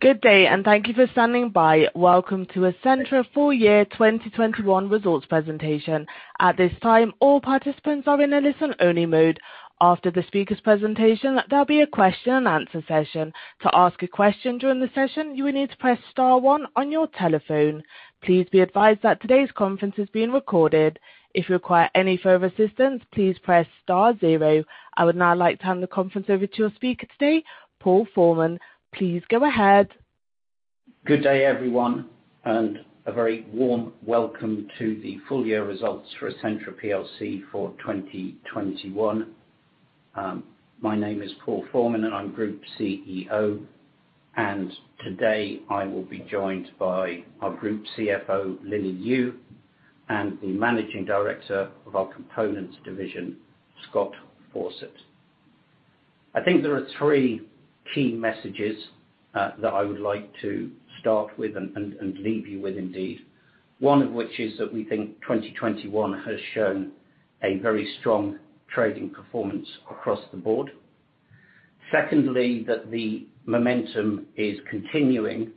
Good day, and thank you for standing by. Welcome to Essentra full year 2021 results presentation. At this time, all participants are in a listen-only mode. After the speaker's presentation, there'll be a question and answer session. To ask a question during the session, you will need to press star one on your telephone. Please be advised that today's conference is being recorded. If you require any further assistance, please press star zero. I would now like to hand the conference over to your speaker today, Paul Forman. Please go ahead. Good day, everyone, and a very warm welcome to the full year results for Essentra plc for 2021. My name is Paul Forman, and I'm Group CEO. Today, I will be joined by our Group CFO, Lily Liu, and the Managing Director of our Components division, Scott Fawcett. I think there are three key messages that I would like to start with and leave you with indeed. One of which is that we think 2021 has shown a very strong trading performance across the board. Secondly, that the momentum is continuing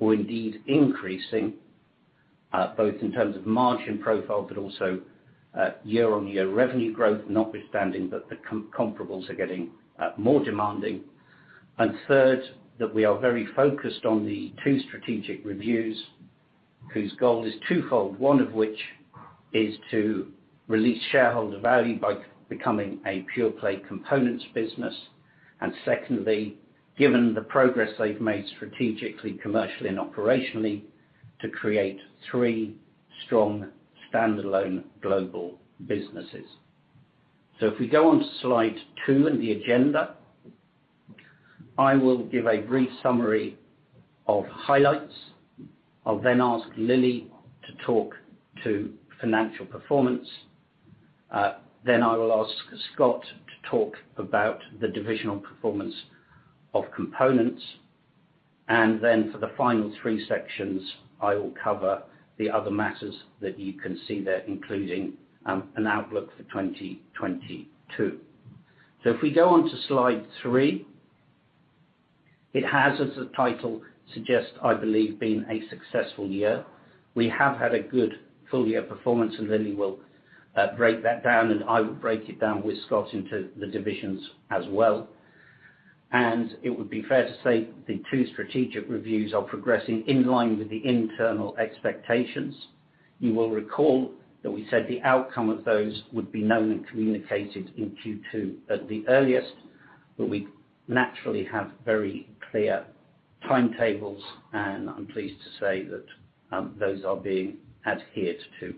or indeed increasing, both in terms of margin profile, but also year-on-year revenue growth, notwithstanding that the comparables are getting more demanding. Third, that we are very focused on the two strategic reviews whose goal is twofold, one of which is to release shareholder value by becoming a pure-play Components business. Secondly, given the progress they've made strategically, commercially, and operationally, to create three strong standalone global businesses. If we go on to slide 2 in the agenda, I will give a brief summary of highlights. I'll then ask Lily to talk to financial performance. I will ask Scott to talk about the divisional performance of Components. For the final three sections, I will cover the other matters that you can see there, including an outlook for 2022. If we go on to slide 3, it has, as the title suggests, I believe, been a successful year. We have had a good full-year performance, and Lily will break that down, and I will break it down with Scott into the divisions as well. It would be fair to say the two strategic reviews are progressing in line with the internal expectations. You will recall that we said the outcome of those would be known and communicated in Q2 at the earliest, but we naturally have very clear timetables, and I'm pleased to say that those are being adhered to.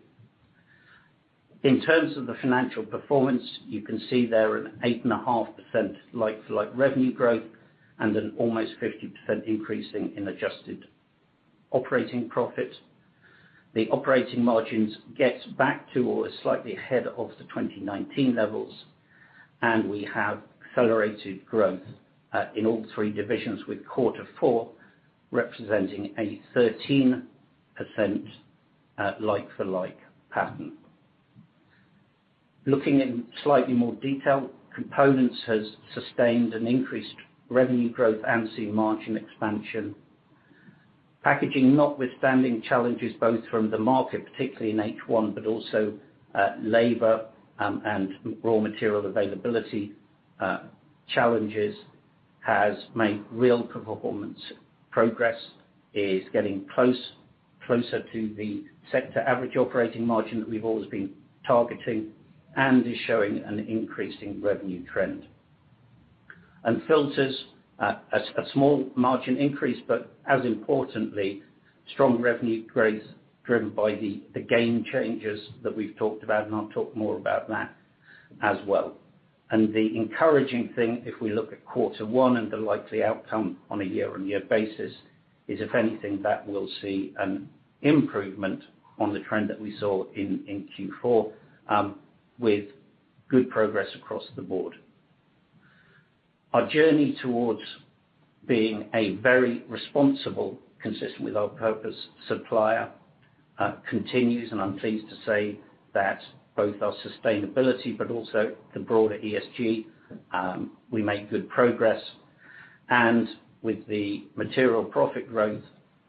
In terms of the financial performance, you can see there an 8.5% like-for-like revenue growth and an almost 50% increase in adjusted operating profit. The operating margin gets back to or is slightly ahead of the 2019 levels, and we have accelerated growth in all three divisions, with quarter four representing a 13% like-for-like growth. Looking in slightly more detail, Components has sustained an increased revenue growth and seen margin expansion. Packaging, notwithstanding challenges both from the market, particularly in H1, but also, labor, and raw material availability challenges, has made real performance progress. It is getting closer to the sector average operating margin that we've always been targeting and is showing an increase in revenue trend. Filters, a small margin increase, but as importantly, strong revenue growth driven by the game changers that we've talked about, and I'll talk more about that as well. The encouraging thing, if we look at quarter one and the likely outcome on a year-on-year basis, is if anything, that we'll see an improvement on the trend that we saw in Q4, with good progress across the board. Our journey towards being a very responsible, consistent with our purpose, supplier, continues, and I'm pleased to say that both our sustainability, but also the broader ESG, we make good progress. With the material profit growth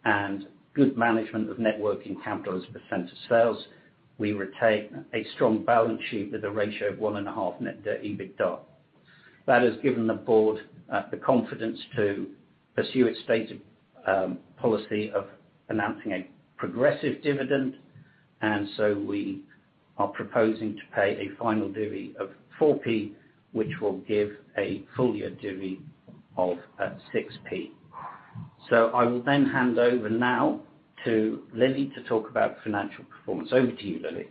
and good management of net working capital as a % of sales, we retain a strong balance sheet with a ratio of 1.5 net debt/EBITDA. That has given the board the confidence to pursue its stated policy of announcing a progressive dividend. We are proposing to pay a final divvy of 4p, which will give a full-year divvy of 6p. I will then hand over now to Lily Liu to talk about financial performance. Over to you, Lily Liu.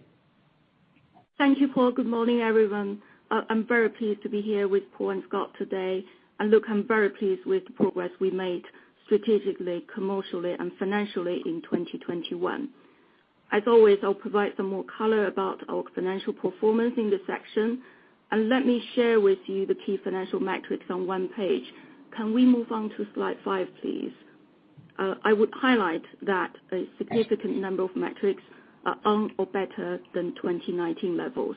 Thank you, Paul. Good morning, everyone. I'm very pleased to be here with Paul and Scott today. Look, I'm very pleased with the progress we made strategically, commercially, and financially in 2021. As always, I'll provide some more color about our financial performance in this section. Let me share with you the key financial metrics on one page. Can we move on to slide 5, please? I would highlight that a significant number of metrics are on or better than 2019 levels.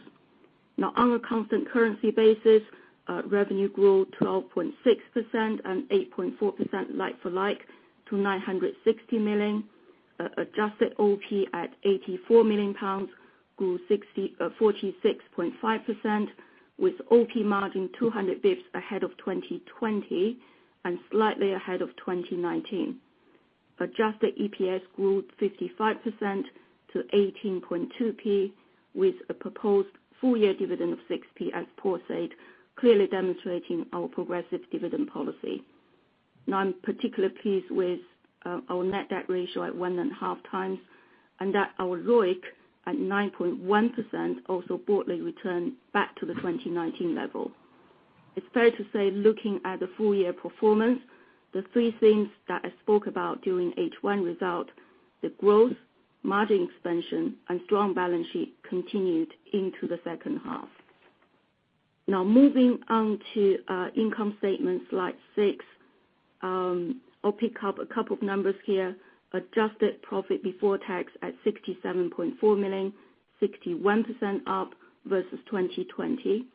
Now, on a constant currency basis, revenue grew 12.6% and 8.4% like-for-like to 960 million. Adjusted OP at 84 million pounds grew 46.5% with OP margin 200 basis points ahead of 2020 and slightly ahead of 2019. Adjusted EPS grew 55% to 18.2p, with a proposed full year dividend of 6p, as Paul said, clearly demonstrating our progressive dividend policy. Now, I'm particularly pleased with our net debt ratio at 1.5 times, and that our ROIC at 9.1% also brought the return back to the 2019 level. It's fair to say, looking at the full year performance, the three things that I spoke about during H1 result, the growth, margin expansion and strong balance sheet continued into the second half. Now moving on to income statement, slide 6. I'll pick up a couple of numbers here. Adjusted profit before tax at 67.4 million, 61% up versus 2020,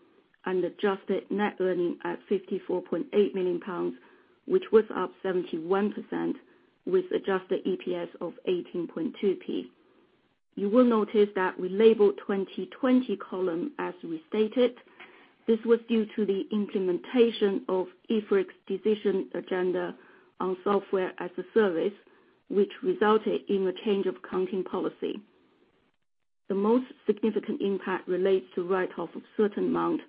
and adjusted net earnings at 54.8 million pounds, which was up 71% with adjusted EPS of 18.2p. You will notice that we labeled 2020 column as restated. This was due to the implementation of IFRIC's agenda decision on software as a service, which resulted in a change of accounting policy. The most significant impact relates to write-off of certain amount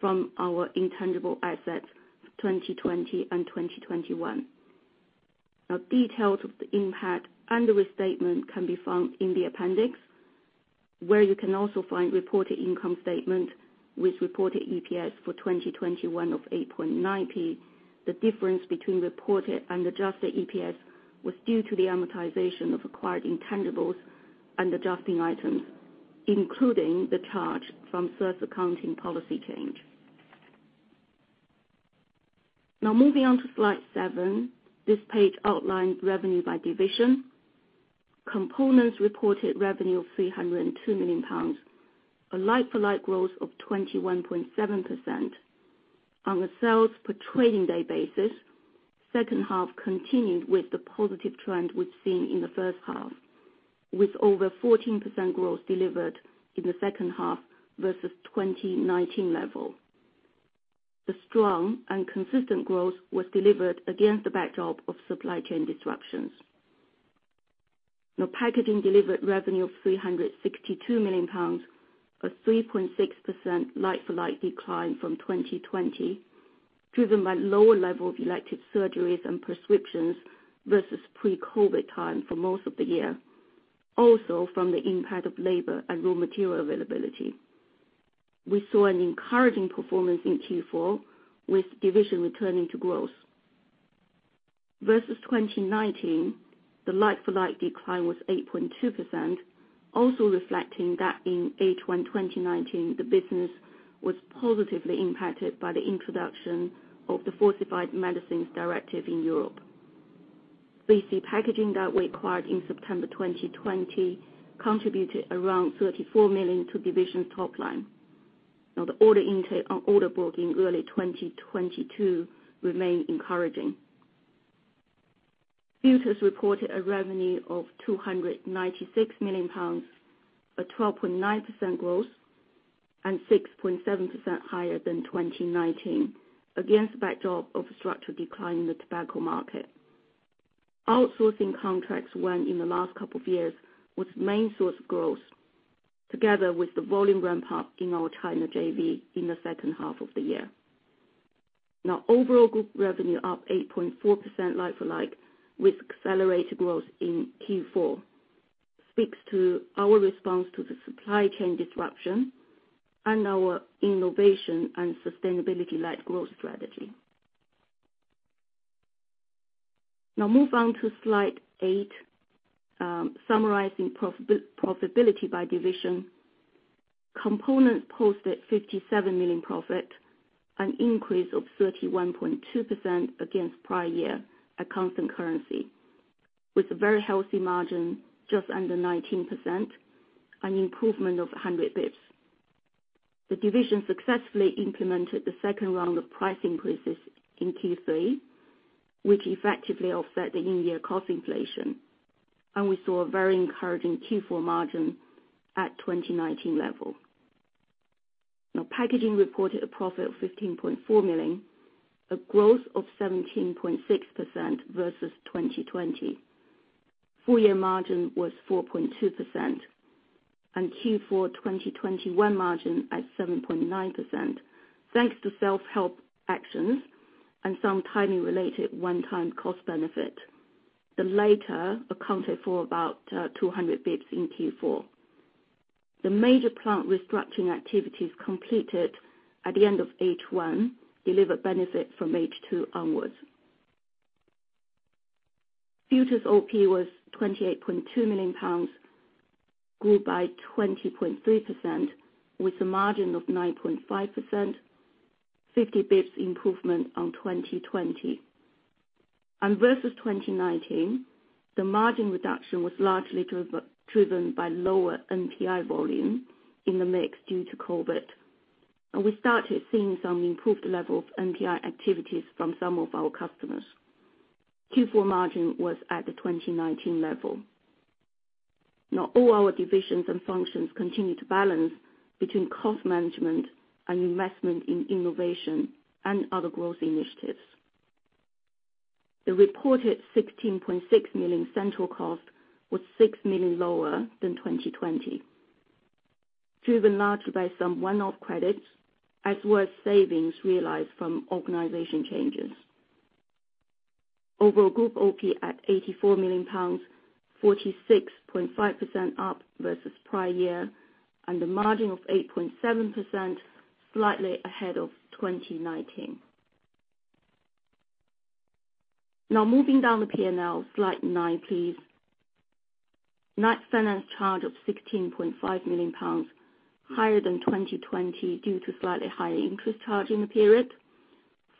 from our intangible assets, 2020 and 2021. Now, details of the impact and the restatement can be found in the appendix, where you can also find reported income statement with reported EPS for 2021 of 8.9p. The difference between reported and adjusted EPS was due to the amortization of acquired intangibles and adjusting items, including the charge from SaaS accounting policy change. Now moving on to slide seven. This page outlines revenue by division. Components reported revenue of 302 million pounds, a like-for-like growth of 21.7%. On a sales per trading day basis, second half continued with the positive trend we've seen in the first half, with over 14% growth delivered in the second half versus 2019 level. The strong and consistent growth was delivered against the backdrop of supply chain disruptions. Now, Packaging delivered revenue of 362 million pounds, a 3.6% like for like decline from 2020, driven by lower level of elective surgeries and prescriptions versus pre-COVID time for most of the year, also from the impact of labor and raw material availability. We saw an encouraging performance in Q4 with division returning to growth. Versus 2019, the like-for-like decline was 8.2%, also reflecting that in H1 2019, the business was positively impacted by the introduction of the Falsified Medicines Directive in Europe. 3C! Packaging that we acquired in September 2020 contributed around 34 million to division top line. Now, the order intake on order book in early 2022 remain encouraging. Filters reported a revenue of 296 million pounds, a 12.9% growth and 6.7% higher than 2019. Against the backdrop of a structural decline in the tobacco market, outsourcing contracts won in the last couple of years was main source of growth, together with the volume ramp up in our China JV in the second half of the year. Now, overall group revenue up 8.4% like for like with accelerated growth in Q4 speaks to our response to the supply chain disruption and our innovation and sustainability-led growth strategy. Now move on to slide 8, summarizing profitability by division. Components posted 57 million profit, an increase of 31.2% against prior year at constant currency, with a very healthy margin just under 19%, an improvement of 100 bips. The division successfully implemented the second round of price increases in Q3, which effectively offset the in-year cost inflation. We saw a very encouraging Q4 margin at 2019 level. Now, Packaging reported a profit of 15.4 million, a growth of 17.6% versus 2020. Full year margin was 4.2% and Q4 2021 margin at 7.9%, thanks to self-help actions and some timing related one-time cost benefit. The latter accounted for about 200 basis points in Q4. The major plant restructuring activities completed at the end of H1 delivered benefit from H2 onwards. Futures OP was £28.2 million, grew by 20.3% with a margin of 9.5%, 50 basis points improvement on 2020. Versus 2019, the margin reduction was largely driven by lower NPI volume in the mix due to COVID. We started seeing some improved level of NPI activities from some of our customers. Q4 margin was at the 2019 level. Now all our divisions and functions continue to balance between cost management and investment in innovation and other growth initiatives. The reported 16.6 million central cost was 6 million lower than 2020, driven largely by some one-off credits as well as savings realized from organization changes. Overall group OP at 84 million pounds, 46.5% up versus prior year, and a margin of 8.7%, slightly ahead of 2019. Now moving down the P&L, slide nine, please. Net finance charge of 16.5 million pounds, higher than 2020 due to slightly higher interest charge in the period,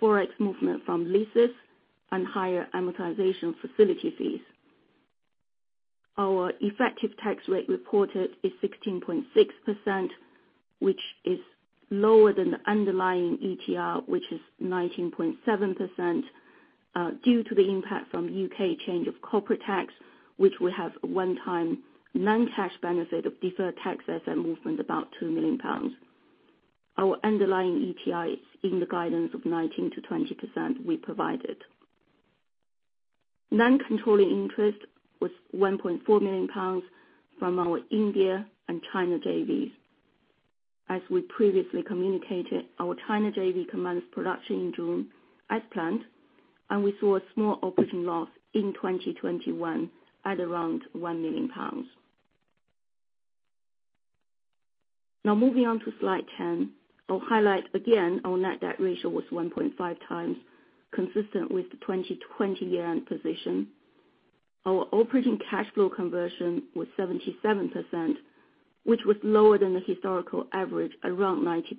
Forex movement from leases and higher amortization facility fees. Our effective tax rate reported is 16.6%, which is lower than the underlying ETR, which is 19.7%, due to the impact from UK change of corporate tax, which will have a one-time non-cash benefit of deferred tax asset movement about 2 million pounds. Our underlying ETR is in the guidance of 19%-20% we provided. Non-controlling interest was 1.4 million pounds from our India and China JVs. As we previously communicated, our China JV commenced production in June as planned, and we saw a small operating loss in 2021 at around GBP 1 million. Now moving on to slide 10. I'll highlight again our net debt ratio was 1.5x, consistent with the 2020 year-end position. Our operating cash flow conversion was 77%, which was lower than the historical average, around 90%.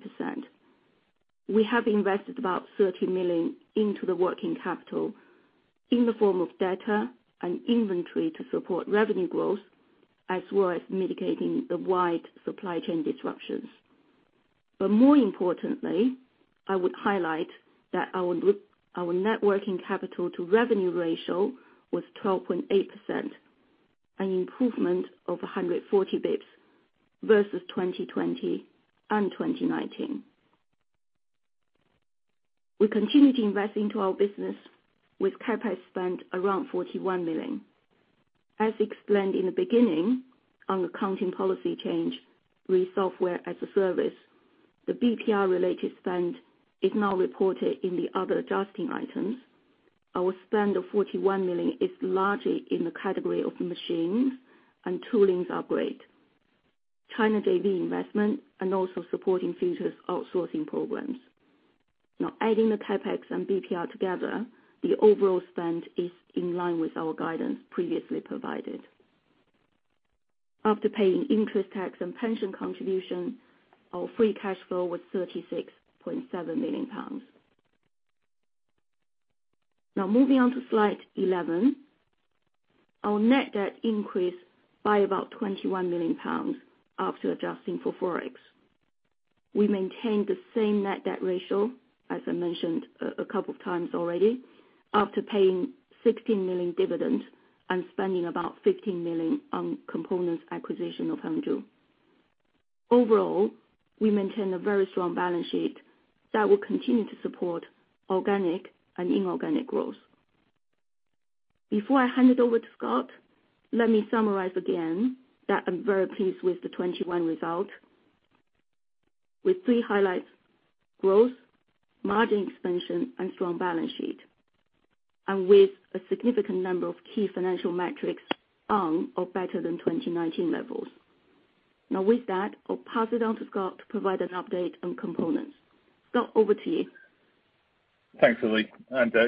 We have invested about 30 million into the working capital in the form of debtors and inventory to support revenue growth, as well as mitigating the widespread supply chain disruptions. More importantly, I would highlight that our net working capital to revenue ratio was 12.8%, an improvement of 140 basis points versus 2020 and 2019. We continue to invest into our business with CAPEX spend around 41 million. As explained in the beginning on accounting policy change re software as a service, the BPR related spend is now reported in the other adjusting items. Our spend of 41 million is largely in the category of machines and toolings upgrade, China JV investment, and also supporting future outsourcing programs. Now adding the CAPEX and BPR together, the overall spend is in line with our guidance previously provided. After paying interest, tax, and pension contribution, our free cash flow was 36.7 million pounds. Now moving on to slide 11. Our net debt increased by about 21 million pounds after adjusting for Forex. We maintained the same net debt ratio, as I mentioned a couple of times already, after paying 16 million dividend and spending about 15 million on Components acquisition of Hengzhu. Overall, we maintain a very strong balance sheet that will continue to support organic and inorganic growth. Before I hand it over to Scott, let me summarize again that I'm very pleased with the 2021 result. With three highlights, growth, margin expansion, and strong balance sheet, and with a significant number of key financial metrics on or better than 2019 levels. Now with that, I'll pass it on to Scott to provide an update on Components. Scott, over to you. Thanks, Lily.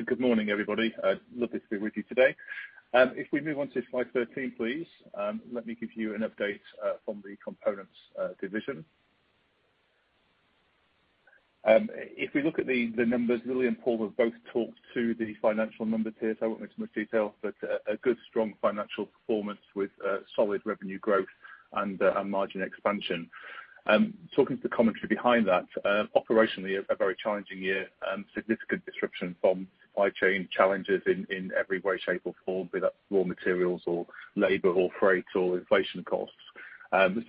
Good morning, everybody. Lovely to be with you today. If we move on to slide 13, please, let me give you an update from the Components division. If we look at the numbers, Lily and Paul have both talked to the financial numbers here, so I won't go into much detail, but a good, strong financial performance with solid revenue growth and margin expansion. Talking to the commentary behind that, operationally a very challenging year. Significant disruption from supply chain challenges in every way, shape, or form, be that raw materials or labor or freight or inflation costs.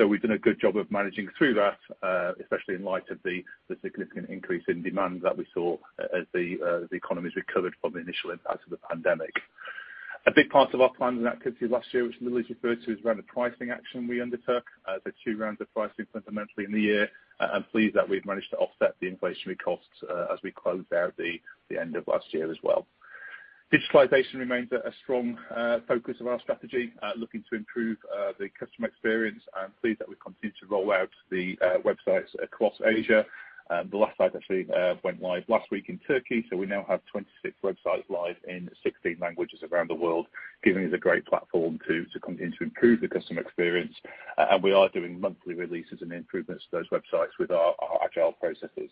We've done a good job of managing through that, especially in light of the significant increase in demand that we saw as the economies recovered from the initial impact of the pandemic. A big part of our plans and activity last year, which Lily's referred to, is around the pricing action we undertook. There were two rounds of pricing fundamentally in the year. I'm pleased that we've managed to offset the inflationary costs, as we closed out the end of last year as well. Digitalization remains a strong focus of our strategy, looking to improve the customer experience. I'm pleased that we continue to roll out the websites across Asia. The last site actually went live last week in Turkey. We now have 26 websites live in 16 languages around the world, giving us a great platform to continue to improve the customer experience. We are doing monthly releases and improvements to those websites with our agile processes.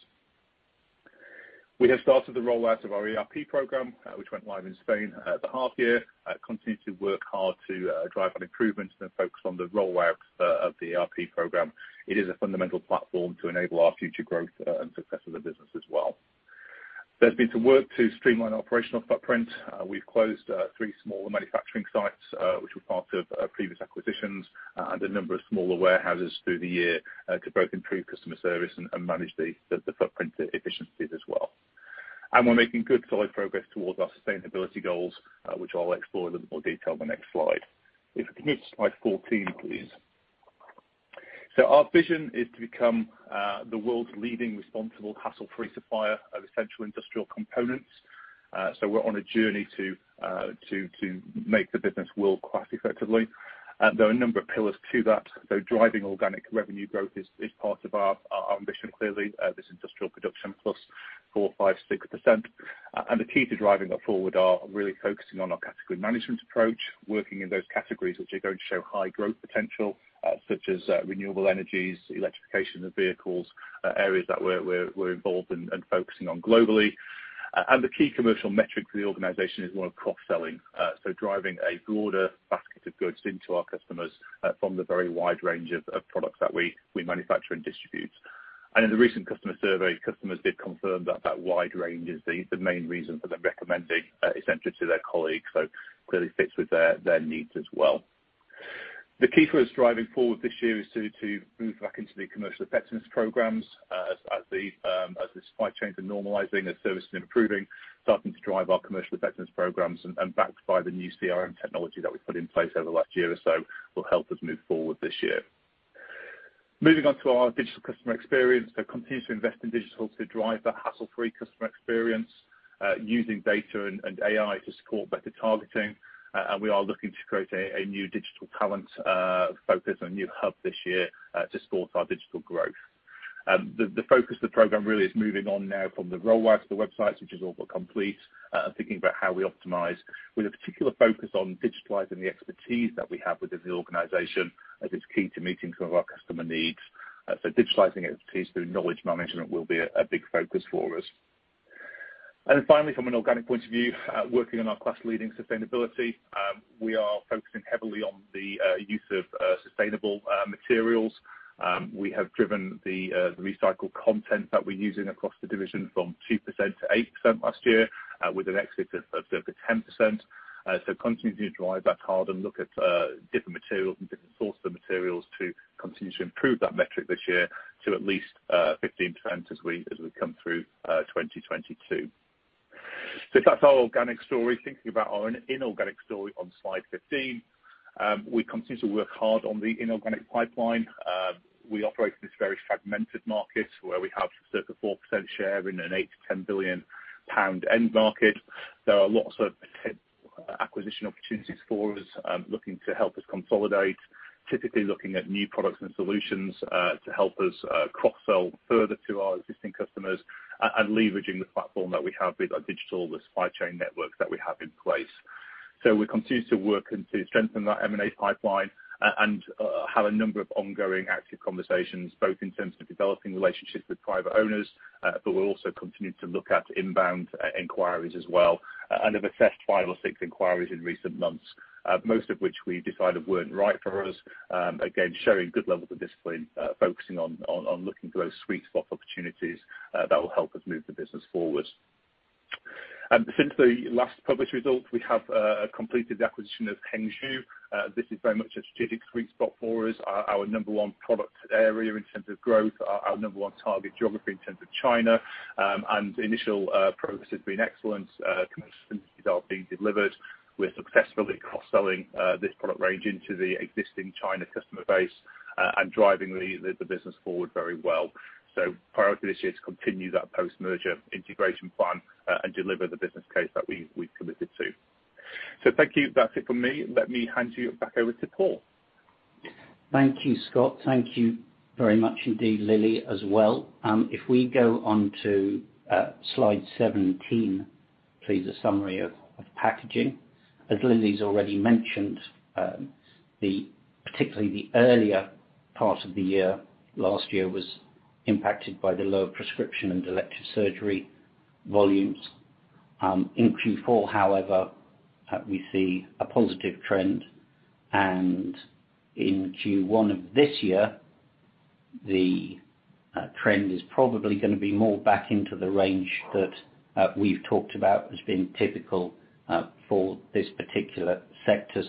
We have started the rollout of our ERP program, which went live in Spain at the half year. We continue to work hard to drive on improvements and then focus on the rollout of the ERP program. It is a fundamental platform to enable our future growth and success of the business as well. There's been some work to streamline our operational footprint. We've closed three smaller manufacturing sites, which were part of previous acquisitions, and a number of smaller warehouses through the year, to both improve customer service and manage the footprint efficiencies as well. We're making good solid progress towards our sustainability goals, which I'll explore in a little more detail on the next slide. If you can move to slide 14, please. Our vision is to become the world's leading responsible hassle-free supplier of essential industrial components. We're on a journey to make the business world class effectively. There are a number of pillars to that. Driving organic revenue growth is part of our ambition clearly. This industrial production plus 4, 5, 6%. The key to driving that forward are really focusing on our category management approach, working in those categories which are going to show high growth potential, such as renewable energies, electrification of vehicles, areas that we're involved and focusing on globally. The key commercial metric for the organization is more cross-selling. Driving a broader basket of goods into our customers from the very wide range of products that we manufacture and distribute. In the recent customer survey, customers did confirm that wide range is the main reason for them recommending Essentra to their colleagues, so clearly fits with their needs as well. The key for us driving forward this year is to move back into the commercial effectiveness programs, as the supply chains are normalizing, as service is improving, starting to drive our commercial effectiveness programs and backed by the new CRM technology that we put in place over the last year or so, will help us move forward this year. Moving on to our digital customer experience. We continue to invest in digital to drive that hassle-free customer experience, using data and AI to support better targeting. We are looking to create a new digital talent focus and a new hub this year to support our digital growth. The focus of the program really is moving on now from the rollout of the websites, which is all but complete, and thinking about how we optimize with a particular focus on digitalizing the expertise that we have within the organization, as it's key to meeting some of our customer needs. Digitalizing expertise through knowledge management will be a big focus for us. Finally, from an organic point of view, working on our class-leading sustainability, we are focusing heavily on the use of sustainable materials. We have driven the recycled content that we're using across the division from 2% to 8% last year, with an exit of circa 10%. Continuing to drive that hard and look at different materials and different source of materials to continue to improve that metric this year to at least 15% as we come through 2022. That's our organic story. Thinking about our inorganic story on slide 15. We continue to work hard on the inorganic pipeline. We operate in this very fragmented market where we have circa 4% share in a 8 billion-10 billion pound end market. There are lots of potential acquisition opportunities for us, looking to help us consolidate, typically looking at new products and solutions, to help us, cross-sell further to our existing customers and leveraging the platform that we have with our digital, the supply chain network that we have in place. We continue to work and to strengthen that M&A pipeline and, have a number of ongoing active conversations, both in terms of developing relationships with private owners, but we'll also continue to look at inbound e-inquiries as well, and have assessed five or six inquiries in recent months, most of which we decided weren't right for us. Again, showing good levels of discipline, focusing on looking for those sweet spot opportunities, that will help us move the business forward. Since the last published results, we have completed the acquisition of Hengzhu. This is very much a strategic sweet spot for us. Our number one product area in terms of growth, our number one target geography in terms of China. Initial progress has been excellent. Commercial synergies are being delivered. We're successfully cross-selling this product range into the existing China customer base and driving the business forward very well. Priority this year is to continue that post-merger integration plan and deliver the business case that we committed to. Thank you. That's it from me. Let me hand you back over to Paul. Thank you, Scott. Thank you very much indeed, Lily, as well. If we go on to slide 17, please, a summary of Packaging. As Lily's already mentioned, particularly the earlier part of the year, last year was impacted by the low prescription and elective surgery volumes. In Q4, however, we see a positive trend, and in Q1 of this year, the trend is probably gonna be more back into the range that we've talked about as being typical for this particular sector.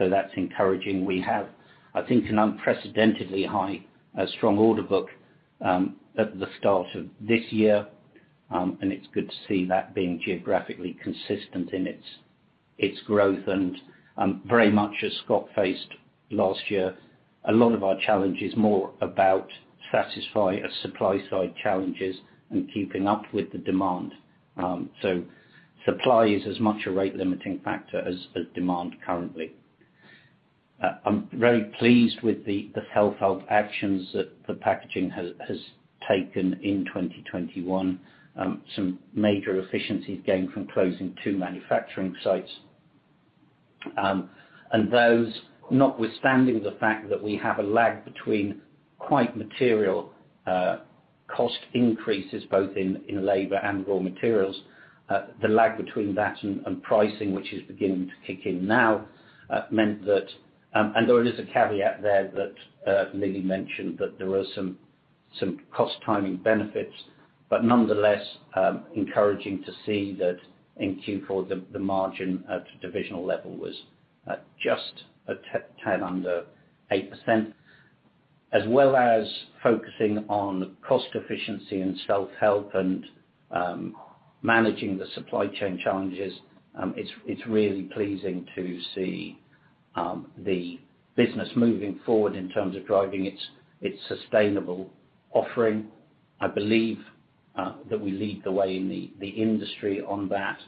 That's encouraging. We have, I think, an unprecedentedly high strong order book at the start of this year, and it's good to see that being geographically consistent in its growth. Very much as Scott faced last year, a lot of our challenge is more about satisfy our supply side challenges and keeping up with the demand. Supply is as much a rate limiting factor as demand currently. I'm very pleased with the self-help actions that the Packaging has taken in 2021. Some major efficiencies gained from closing two manufacturing sites, and those, notwithstanding the fact that we have a lag between quite material cost increases, both in labor and raw materials, the lag between that and pricing, which is beginning to kick in now, meant that there is a caveat there that Lily mentioned that there was some cost timing benefits, but nonetheless, encouraging to see that in Q4, the margin at the divisional level was at just a tenth under 8%. As well as focusing on cost efficiency and self-help and managing the supply chain challenges, it's really pleasing to see the business moving forward in terms of driving its sustainable offering. I believe that we lead the way in the industry on that,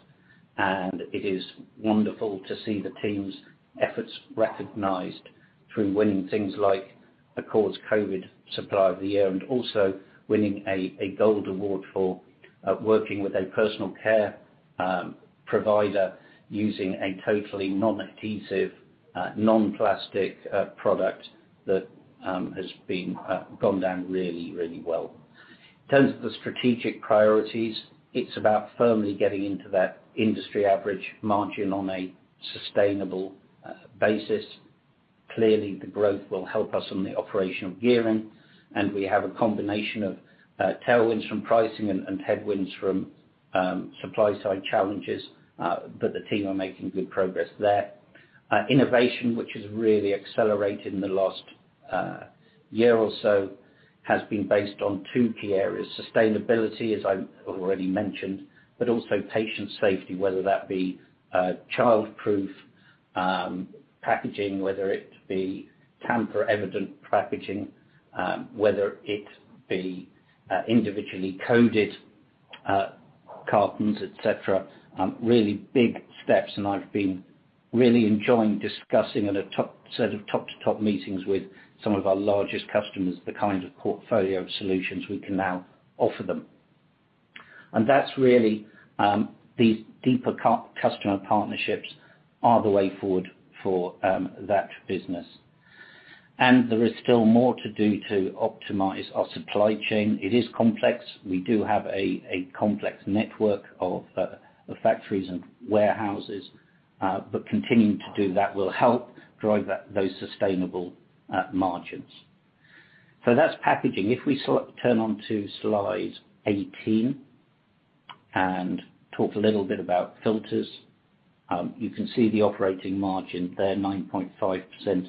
and it is wonderful to see the team's efforts recognized through winning things like, of course, COVID Supplier of the Year and also winning a gold award for working with a personal care provider using a totally non-adhesive non-plastic product that has been gone down really, really well. In terms of the strategic priorities, it's about firmly getting into that industry average margin on a sustainable basis. Clearly, the growth will help us on the operational gearing, and we have a combination of tailwinds from pricing and headwinds from supply side challenges, but the team are making good progress there. Innovation, which has really accelerated in the last year or so, has been based on two key areas. Sustainability, as I've already mentioned, but also patient safety, whether that be childproof packaging, whether it be tamper-evident packaging, whether it be individually coded cartons, et cetera, really big steps. I've been really enjoying discussing at a set of top-to-top meetings with some of our largest customers, the kind of portfolio of solutions we can now offer them. That's really these deeper customer partnerships are the way forward for that business. There is still more to do to optimize our supply chain. It is complex. We do have a complex network of factories and warehouses, but continuing to do that will help drive those sustainable margins. That's packaging. If we turn on to slide 18 and talk a little bit about Filters, you can see the operating margin there, 9.5%.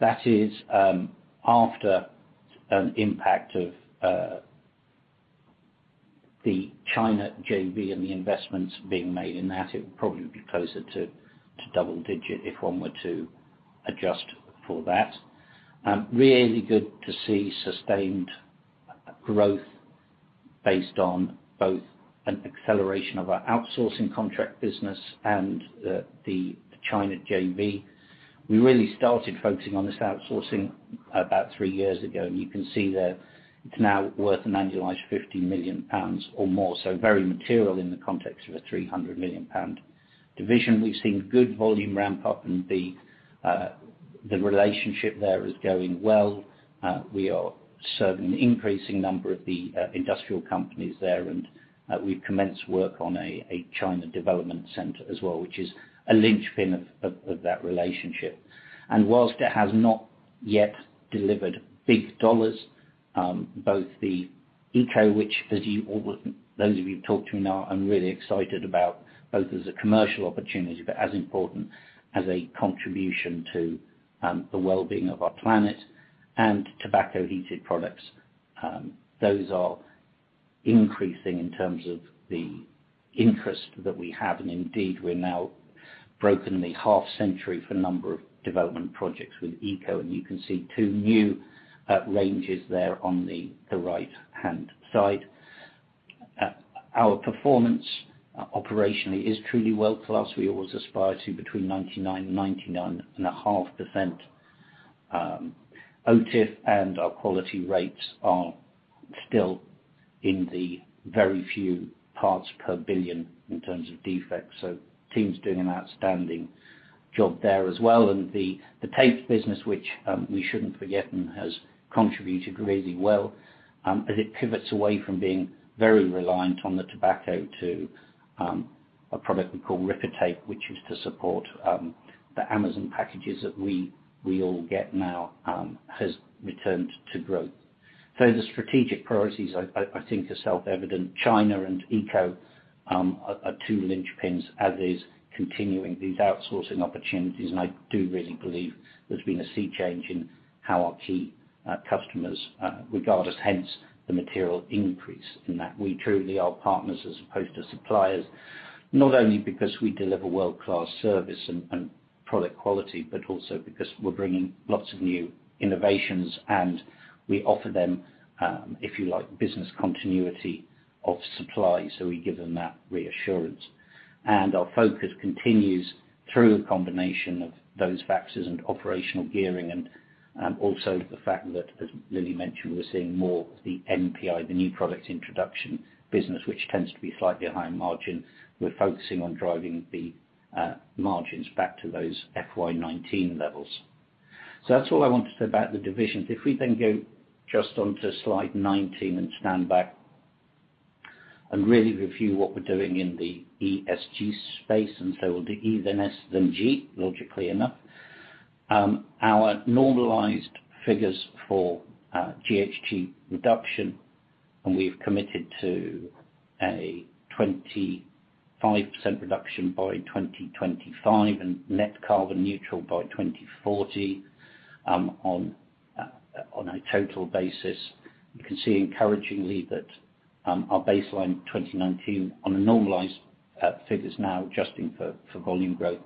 That is, after an impact of the China JV and the investments being made in that. It would probably be closer to double digit if one were to adjust for that. Really good to see sustained growth based on both an acceleration of our outsourcing contract business and the China JV. We really started focusing on this outsourcing about 3 years ago, and you can see that it's now worth an annualized 50 million pounds or more, so very material in the context of a 300 million pound division. We've seen good volume ramp up and the relationship there is going well. We are serving an increasing number of the industrial companies there and we've commenced work on a China development center as well, which is a linchpin of that relationship. Whilst it has not yet delivered big dollars, both the ECO, which those of you who talked to me know I'm really excited about, both as a commercial opportunity, but as important as a contribution to the well-being of our planet, and Tobacco Heated Products. Those are increasing in terms of the interest that we have. Indeed, we're now broken the half century for a number of development projects with ECO, and you can see two new ranges there on the right-hand side. Our performance operationally is truly world-class. We always aspire to between 99%-99.5%. OTIF and our quality rates are still in the very few parts per billion in terms of defects. Team's doing an outstanding job there as well. The tape business, which we shouldn't forget and has contributed really well, as it pivots away from being very reliant on the tobacco to a product we call Rippatape, which is to support the Amazon packages that we all get now, has returned to growth. The strategic priorities I think are self-evident. China and ECO are two linchpins, as is continuing these outsourcing opportunities. I do really believe there's been a sea change in how our key customers regard us, hence the material increase in that. We truly are partners as opposed to suppliers, not only because we deliver world-class service and product quality, but also because we're bringing lots of new innovations and we offer them, if you like, business continuity of supply, so we give them that reassurance. Our focus continues through a combination of those factors and operational gearing and also the fact that, as Lily mentioned, we're seeing more of the NPI, the new product introduction business, which tends to be slightly higher margin. We're focusing on driving the margins back to those FY 2019 levels. That's all I wanted to say about the divisions. If we then go just onto slide 19 and stand back and really review what we're doing in the ESG space, and so we'll do E, then S, then G, logically enough. Our normalized figures for GHG reduction, and we've committed to a 25% reduction by 2025 and net carbon neutral by 2040, on a total basis. You can see encouragingly that our baseline 2019 on a normalized figures now adjusting for volume growth,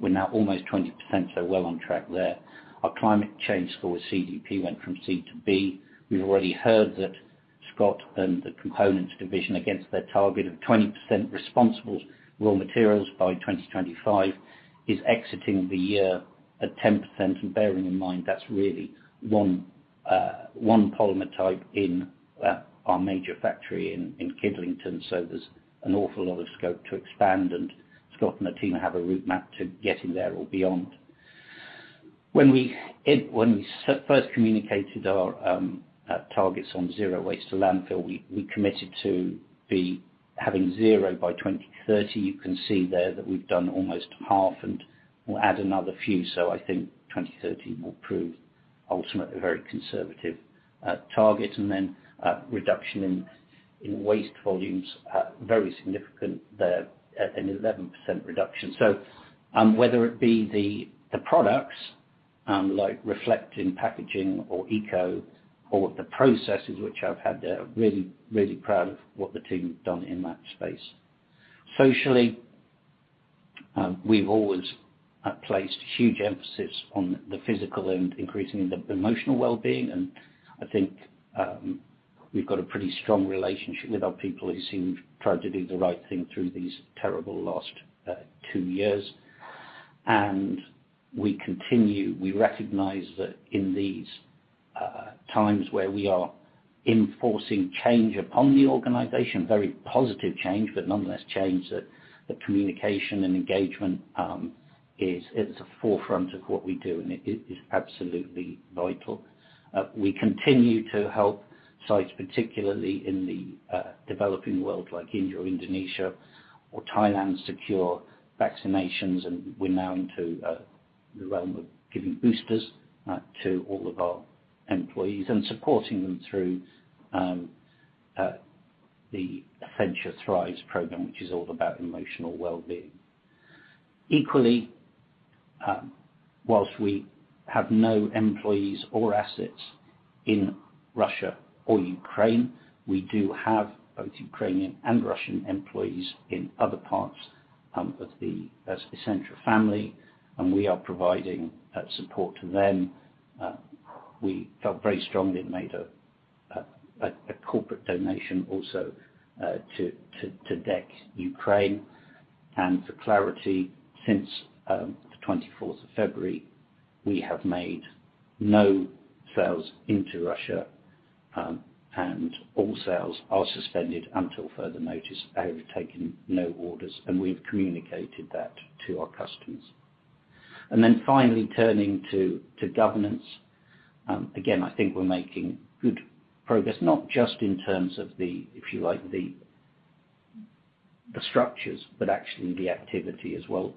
we're now almost 20%, so well on track there. Our climate change score with CDP went from C to B. We've already heard that Scott and the Components division against their target of 20% responsible raw materials by 2025 is exiting the year at 10%. Bearing in mind, that's really one polymer type in our major factory in Kidlington. There's an awful lot of scope to expand. Scott and the team have a roadmap to getting there or beyond. When we first communicated our targets on zero waste to landfill, we committed to be having zero by 2030. You can see there that we've done almost half, and we'll add another few. I think 2030 will prove ultimately a very conservative target. Then, reduction in waste volumes very significant there at an 11% reduction. Whether it be the products like Reflect in Packaging or Eco or the processes which I've had there, really proud of what the team's done in that space. Socially, we've always placed huge emphasis on the physical and increasing the emotional well-being. I think we've got a pretty strong relationship with our people who seem proud to do the right thing through these terrible last two years. We recognize that in these times where we are enforcing change upon the organization, very positive change, but nonetheless change that communication and engagement is at the forefront of what we do, and it is absolutely vital. We continue to help sites, particularly in the developing world like India or Indonesia or Thailand, secure vaccinations. We're now into the realm of giving boosters to all of our employees and supporting them through the Essentra Thrives program, which is all about emotional well-being. Equally, while we have no employees or assets in Russia or Ukraine, we do have both Ukrainian and Russian employees in other parts of the Essentra family, and we are providing that support to them. We felt very strongly and made a corporate donation also to DEC Ukraine. For clarity, since the 24th of February, we have made no sales into Russia, and all sales are suspended until further notice, have taken no orders, and we've communicated that to our customers. Finally, turning to governance, again, I think we're making good progress, not just in terms of the structures, but actually the activity as well.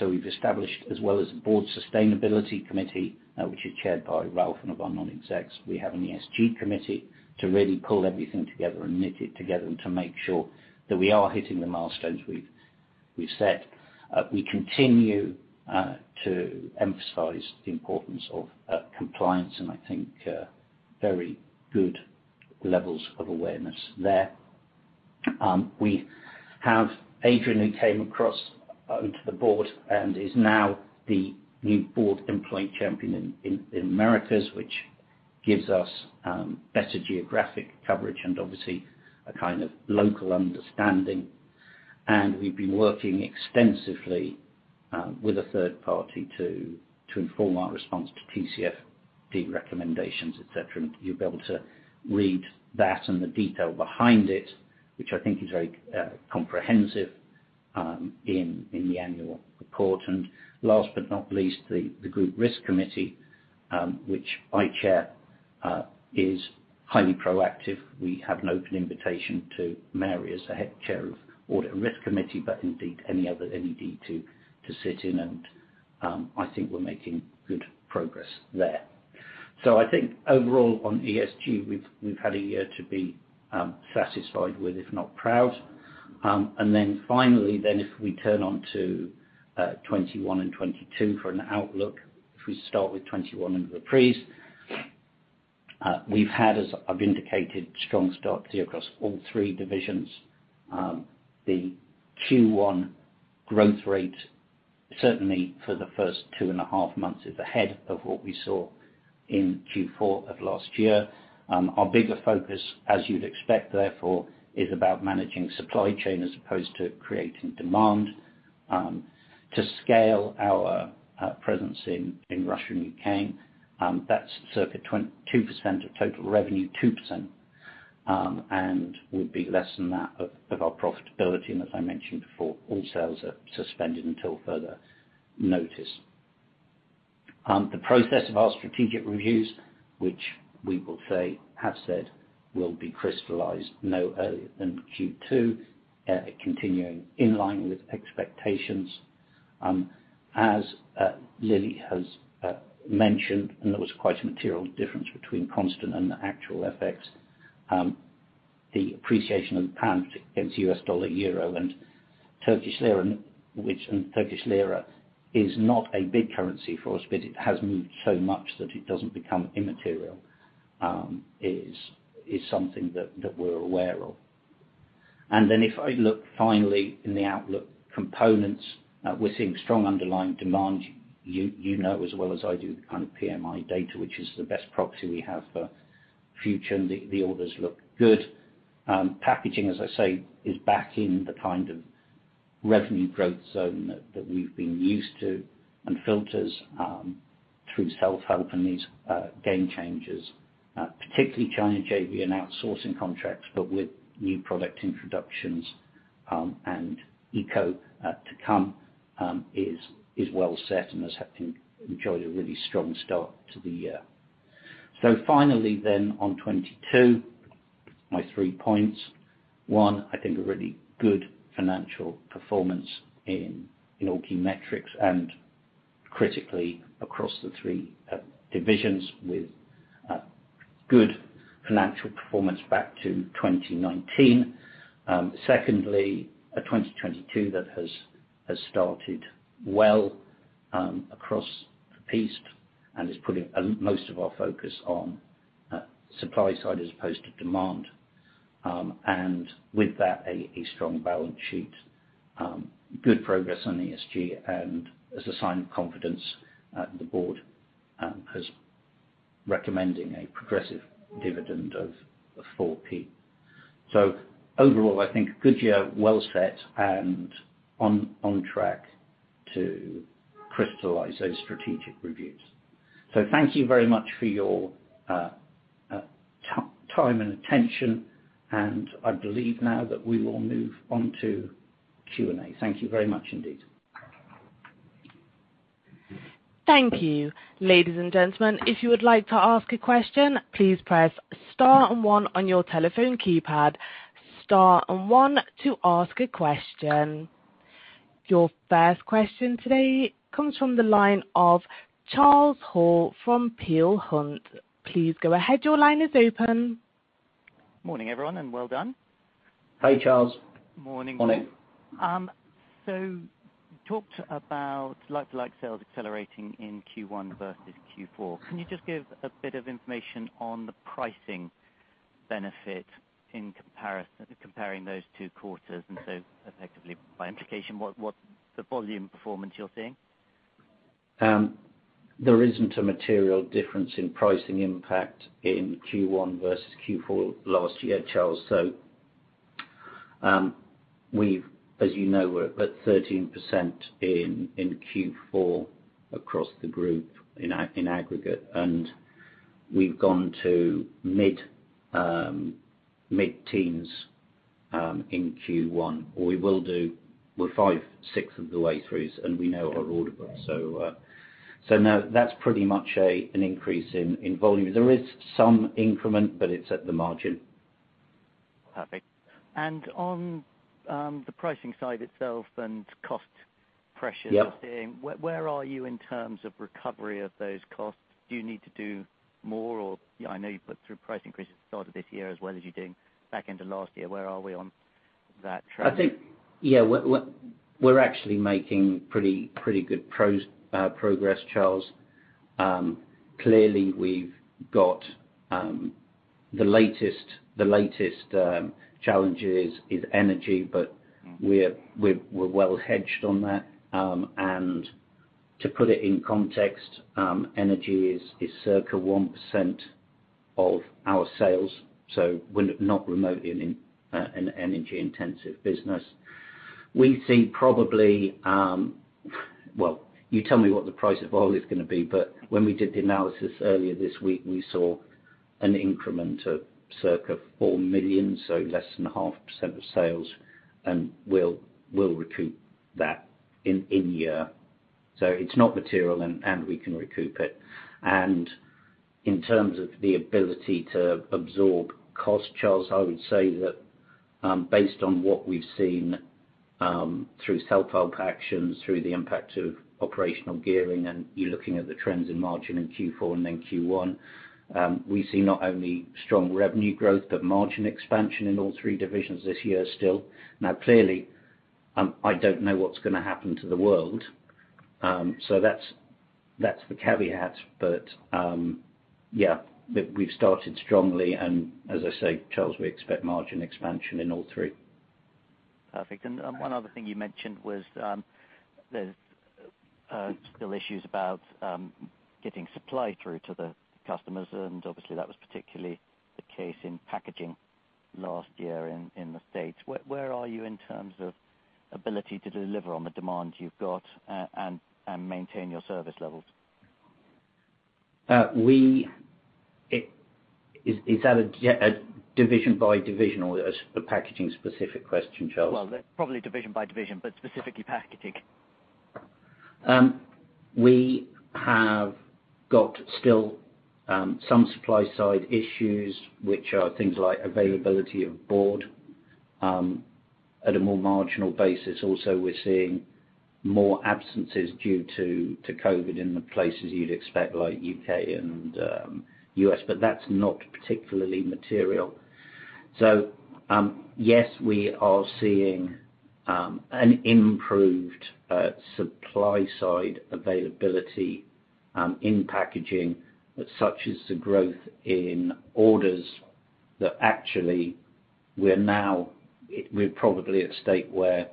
We've established as well as a board sustainability committee, which is chaired by Ralph and of our non-execs. We have an ESG committee to really pull everything together and knit it together and to make sure that we are hitting the milestones we've set. We continue to emphasize the importance of compliance, and I think very good levels of awareness there. We have Adrian, who came across onto the board and is now the new board employee champion in Americas, which gives us better geographic coverage and obviously a kind of local understanding. We've been working extensively with a third party to inform our response to TCFD recommendations, et cetera. You'll be able to read that and the detail behind it, which I think is very comprehensive in the annual report. Last but not least, the group risk committee, which I chair, is highly proactive. We have an open invitation to Mary as the head chair of audit and risk committee, but indeed any other NED to sit in. I think we're making good progress there. I think overall on ESG, we've had a year to be satisfied with, if not proud. Finally, if we turn to 2021 and 2022 for an outlook, if we start with 2021 and recap, we've had, as I've indicated, strong start across all 3 divisions. The Q1 growth rate, certainly for the first two and a half months, is ahead of what we saw in Q4 of last year. Our bigger focus, as you'd expect, therefore, is about managing supply chain as opposed to creating demand. To scale our presence in Russia and Ukraine, that's circa 22% of total revenue, 2%, and would be less than that of our profitability. As I mentioned before, all sales are suspended until further notice. The process of our strategic reviews, which we have said will be crystallized no earlier than Q2, continuing in line with expectations. As Lily has mentioned, there was quite a material difference between constant and the actual FX. The appreciation of the pound against U.S. dollar, euro, and Turkish lira, which Turkish lira is not a big currency for us, but it has moved so much that it doesn't become immaterial, is something that we're aware of. If I look finally in the outlook components, we're seeing strong underlying demand. You know as well as I do the kind of PMI data, which is the best proxy we have for future, and the orders look good. Packaging, as I say, is back in the kind of revenue growth zone that we've been used to. Filters, through self-help and these game changers, particularly China JV and outsourcing contracts, but with new product introductions and ECO to come, is well set and has enjoyed a really strong start to the year. Finally then on 2022, my three points. One, I think a really good financial performance in all key metrics and critically across the three divisions with good financial performance back to 2019. Secondly, a 2022 that has started well across the piece and is putting most of our focus on supply side as opposed to demand. With that, a strong balance sheet. Good progress on ESG, and as a sign of confidence, the board is recommending a progressive dividend of 4p. Overall, I think good year well set and on track to crystallize those strategic reviews. Thank you very much for your time and attention, and I believe now that we will move on to Q&A. Thank you very much indeed. Thank you. Ladies and gentlemen, if you would like to ask a question, please press star and one on your telephone keypad. Star and one to ask a question. Your first question today comes from the line of Charles Hall from Peel Hunt. Please go ahead. Your line is open. Morning, everyone, and well done. Hey, Charles. Morning. Morning. You talked about like-for-like sales accelerating in Q1 versus Q4. Can you just give a bit of information on the pricing benefit in comparing those two quarters, and so effectively by implication, what the volume performance you're seeing? There isn't a material difference in pricing impact in Q1 versus Q4 last year, Charles. As you know, we're at 13% in Q4 across the group in aggregate, and we've gone to mid-teens in Q1, or we will do. We're five-sixth of the way through, and we know our order book. No, that's pretty much an increase in volume. There is some increment, but it's at the margin. Perfect. On the pricing side itself and cost pressures. Yep. What you're seeing, where are you in terms of recovery of those costs? Do you need to do more? I know you put through price increases at the start of this year as well as you did back end of last year. Where are we on that trend? I think, yeah, we're actually making pretty good progress, Charles. Clearly we've got the latest challenge is energy, but we're well hedged on that. To put it in context, energy is circa 1% of our sales, so we're not remotely an energy-intensive business. We think probably, well, you tell me what the price of oil is gonna be, but when we did the analysis earlier this week, we saw an increment of circa 4 million, so less than 0.5% of sales, and we'll recoup that in-year. It's not material and we can recoup it. In terms of the ability to absorb cost, Charles, I would say that, based on what we've seen, through self-help actions, through the impact of operational gearing, and you're looking at the trends in margin in Q4 and then Q1, we see not only strong revenue growth but margin expansion in all three divisions this year still. Now, clearly, I don't know what's gonna happen to the world, so that's the caveat. Yeah, we've started strongly and as I say, Charles, we expect margin expansion in all three. Perfect. One other thing you mentioned was the still issues about getting supply through to the customers, and obviously that was particularly the case in packaging last year in the States. Where are you in terms of ability to deliver on the demand you've got, and maintain your service levels? Is that a division by division or a packaging specific question, Charles? Well, probably division by division, but specifically Packaging. We have got still some supply side issues which are things like availability of board at a more marginal basis. Also we're seeing more absences due to COVID in the places you'd expect like U.K. and U.S., but that's not particularly material. Yes, we are seeing an improved supply side availability in Packaging such as the growth in orders that actually we're now we're probably at a state where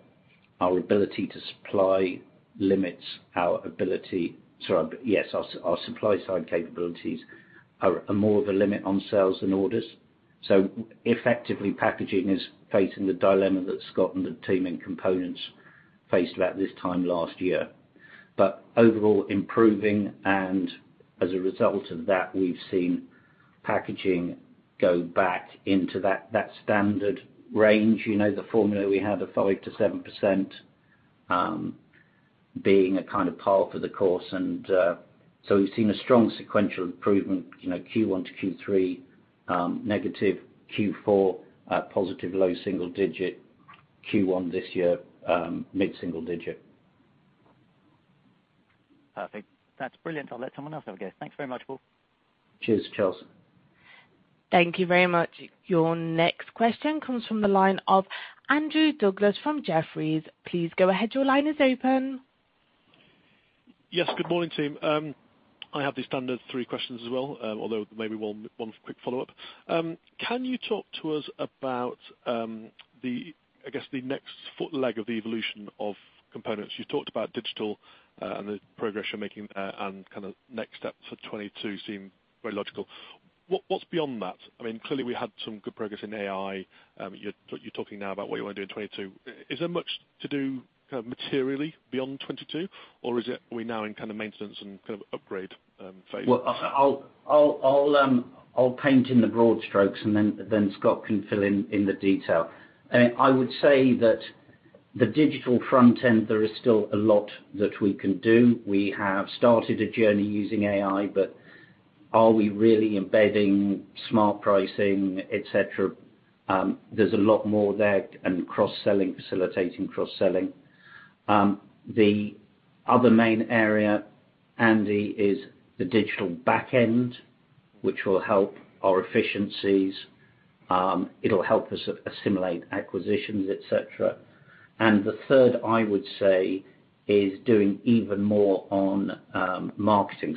our ability to supply limits our ability to supply. Yes, our supply side capabilities are more of a limit on sales than orders. Effectively Packaging is facing the dilemma that Scott and the team in Components faced about this time last year. Overall improving, and as a result of that, we've seen Packaging go back into that standard range, you know, the formula we had of 5%-7%, being a kind of par for the course and so we've seen a strong sequential improvement, you know, Q1 to Q3, negative Q4, positive low single-digit Q1 this year, mid-single-digit. Perfect. That's brilliant. I'll let someone else have a go. Thanks very much, Paul. Cheers, Charles. Thank you very much. Your next question comes from the line of Andrew Douglas from Jefferies. Please go ahead. Your line is open. Yes. Good morning, team. I have the standard three questions as well, although maybe one quick follow-up. Can you talk to us about the next leg of the evolution of Components? You talked about digital, and the progress you're making there and kinda next steps for 2022 seem very logical. What's beyond that? I mean, clearly we had some good progress in AI, you're talking now about what you wanna do in 2022. Is there much to do kinda materially beyond 2022, or is it we now in kinda maintenance and kind of upgrade phase? Well, I'll paint in the broad strokes and then Scott can fill in the detail. I would say that the digital front end, there is still a lot that we can do. We have started a journey using AI, but are we really embedding smart pricing, et cetera? There's a lot more there and cross-selling, facilitating cross-selling. The other main area, Andy, is the digital backend, which will help our efficiencies. It'll help us assimilate acquisitions, et cetera. The third, I would say, is doing even more on marketing.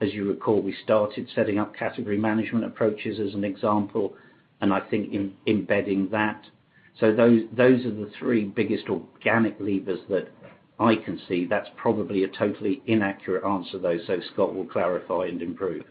As you recall, we started setting up category management approaches as an example, and I think embedding that. Those are the three biggest organic levers that I can see. That's probably a totally inaccurate answer though, so Scott will clarify and improve.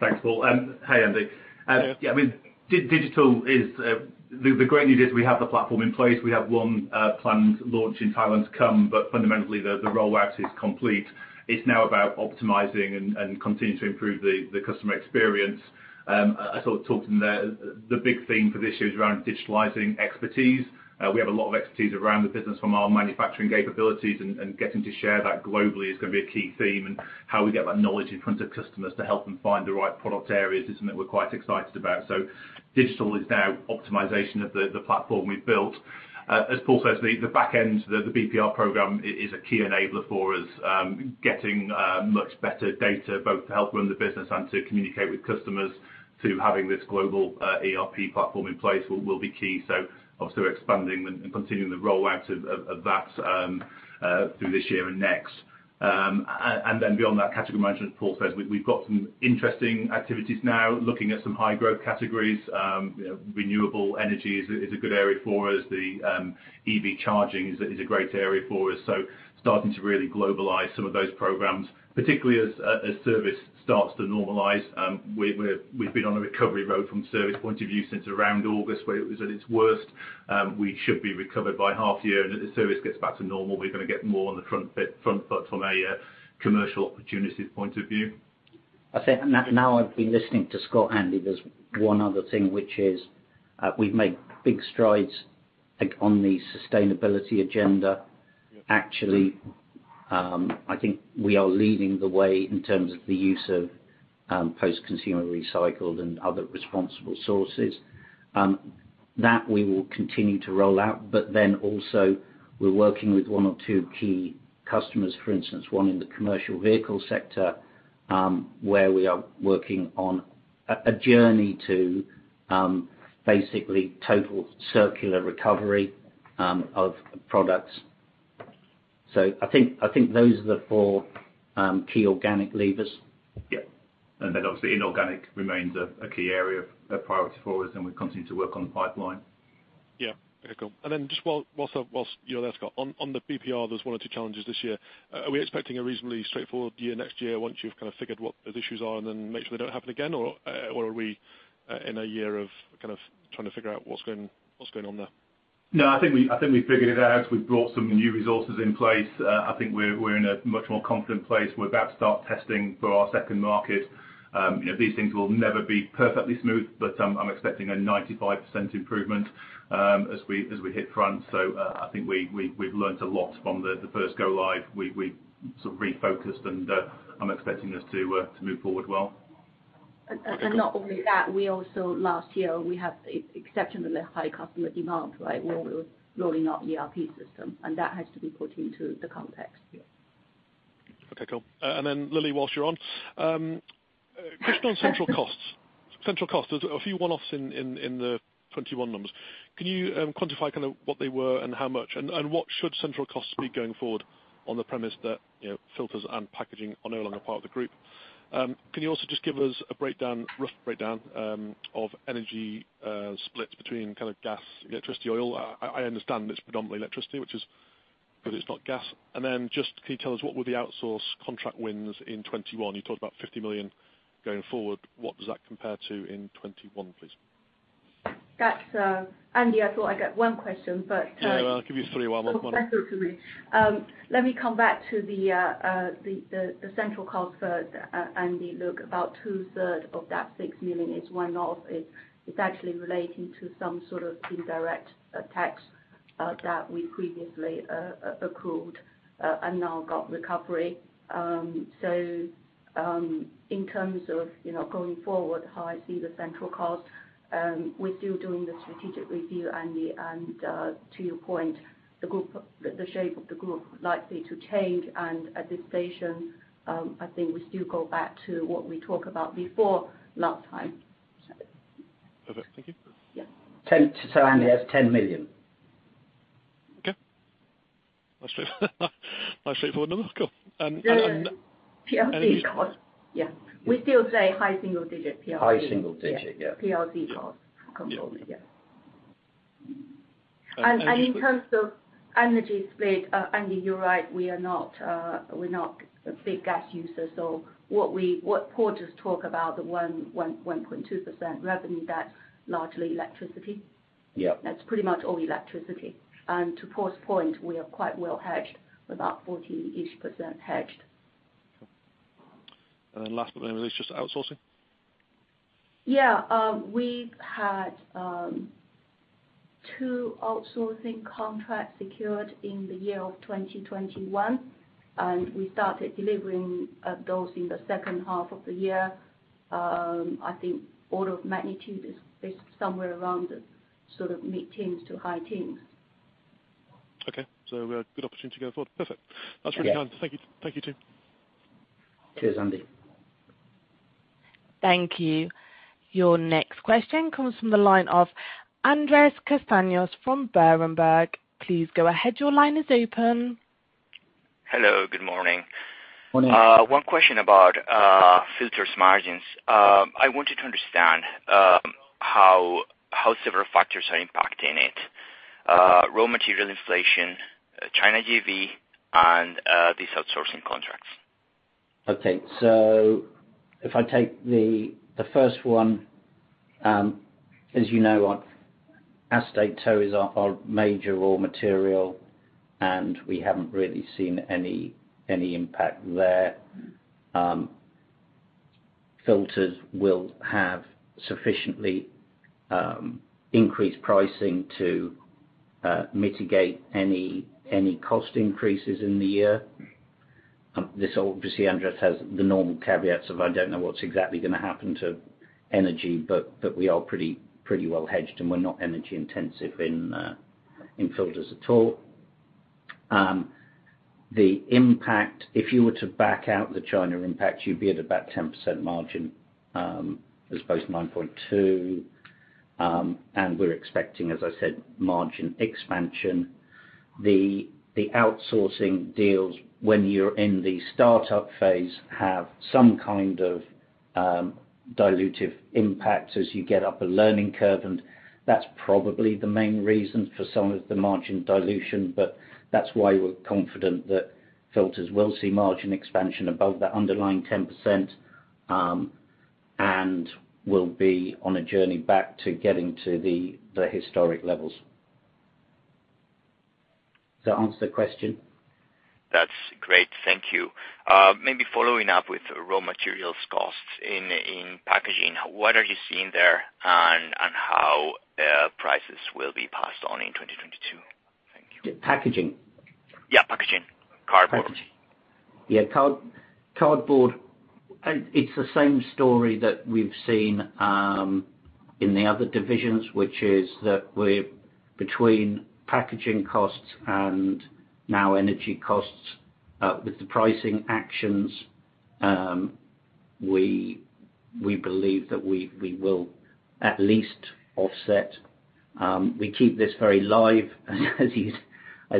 Thanks, Paul. And, Hey Andy. Yeah. Yeah, I mean, the great need is we have the platform in place. We have one planned launch in Thailand to come, but fundamentally the rollout is complete. It's now about optimizing and continuing to improve the customer experience. I sort of talked in there. The big theme for this year is around digitalizing expertise. We have a lot of expertise around the business from our manufacturing capabilities and getting to share that globally is gonna be a key theme and how we get that knowledge in front of customers to help them find the right product areas is something we're quite excited about. Digital is now optimization of the platform we've built. As Paul says, the backend, the BPR program is a key enabler for us getting much better data both to help run the business and to communicate with customers to having this global ERP platform in place will be key. Obviously expanding and continuing the rollout of that through this year and next. Beyond that category management, Paul says we've got some interesting activities now looking at some high growth categories. Renewable energy is a good area for us. The EV charging is a great area for us, so starting to really globalize some of those programs, particularly as service starts to normalize. We've been on a recovery road from service point of view since around August where it was at its worst. We should be recovered by half year, and as the service gets back to normal, we're gonna get more on the front foot from a commercial opportunities point of view. I think now I've been listening to Scott, Andy. There's one other thing which is we've made big strides, I think, on the sustainability agenda. Yeah. Actually, I think we are leading the way in terms of the use of post-consumer recycled and other responsible sources. That we will continue to roll out, but then also we're working with one or two key customers, for instance, one in the commercial vehicle sector, where we are working on a journey to basically total circular recovery of products. I think those are the four key organic levers. Yeah. Obviously inorganic remains a key area of priority for us, and we're continuing to work on the pipeline. Yeah. Okay, cool. Then just while you're there, Scott, on the BPR, there's one or two challenges this year. Are we expecting a reasonably straightforward year next year once you've kind of figured what those issues are and then make sure they don't happen again? Or are we in a year of kind of trying to figure out what's going on there? No, I think we figured it out. We've brought some new resources in place. I think we're in a much more confident place. We're about to start testing for our second market. You know, these things will never be perfectly smooth, but I'm expecting a 95% improvement as we hit front. I think we've learned a lot from the first go live. We sort of refocused, and I'm expecting us to move forward well. not only that, we also last year we have exceptionally high customer demand, right? Where we were rolling out ERP system, and that has to be put into the context. Okay, cool. Lily, while you're on, question on central costs. There's a few one-offs in the 2021 numbers. Can you quantify kind of what they were and how much, and what should central costs be going forward on the premise that, you know, Filters and Packaging are no longer part of the group? Can you also just give us a rough breakdown of energy split between kind of gas, electricity, oil? I understand it's predominantly electricity, but it's not gas. Can you tell us what were the outsource contract wins in 2021? You talked about 50 million going forward. What does that compare to in 2021, please? That's, Andy, I thought I got one question, but- Yeah, I'll give you three while I'm on. One second to me. Let me come back to the central cost first. Andy, look, about two-thirds of that 6 million is one-off. It's actually relating to some sort of indirect tax that we previously accrued and now got recovery. In terms of, you know, going forward, how I see the central cost, we're still doing the strategic review, Andy. To your point, the group, the shape of the group likely to change. At this stage, I think we still go back to what we talked about before last time. Perfect. Thank you. Yeah. Andy, that's 10 million. Okay. That's it for another call. plc cost. Yeah. We still say high single-digit plc. High single digit. Yeah. plc cost. Yeah. Completely. Yeah. And, and in- In terms of energy split, Andy, you're right, we're not a big gas user. What Paul just talked about, the 1.2% revenue, that's largely electricity. Yeah. That's pretty much all electricity. To Paul's point, we are quite well hedged, about 40-ish% hedged. Last but not least, just outsourcing. We had two outsourcing contracts secured in the year of 2021, and we started delivering those in the second half of the year. I think order of magnitude is based somewhere around the sort of mid-teens to high teens. Okay. A good opportunity going forward. Perfect. That's really kind. Thank you. Yeah. Thank you, team. Cheers, Andy. Thank you. Your next question comes from the line of Andres Castanos-Mollor from Berenberg. Please go ahead. Your line is open. Hello, good morning. Morning. One question about Filters margins. I wanted to understand how several factors are impacting it. Raw material inflation, China JV, and these outsourcing contracts. Okay. If I take the first one, as you know, acetate tow is our major raw material, and we haven't really seen any impact there. Filters will have sufficiently increased pricing to mitigate any cost increases in the year. This obviously, Andres, has the normal caveats of, I don't know what's exactly gonna happen to energy, but we are pretty well hedged, and we're not energy intensive in filters at all. The impact, if you were to back out the China impact, you'd be at about 10% margin, as opposed to 9.2. We're expecting, as I said, margin expansion. The outsourcing deals, when you're in the startup phase, have some kind of dilutive impact as you get up a learning curve, and that's probably the main reason for some of the margin dilution, but that's why we're confident that Filters will see margin expansion above that underlying 10%, and will be on a journey back to getting to the historic levels. Does that answer the question? That's great. Thank you. Maybe following up with raw materials costs in Packaging, what are you seeing there, and how prices will be passed on in 2022? Thank you. Packaging? Yeah, Packaging. Cardboard. Packaging. Yeah. Cardboard, it's the same story that we've seen in the other divisions, which is that we between packaging costs and now energy costs, with the pricing actions, we believe that we will at least offset. We keep this very live as